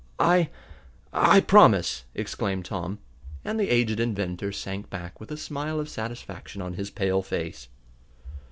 "I I promise!" exclaimed Tom, and the aged inventor sank back with a smile of satisfaction on his pale face.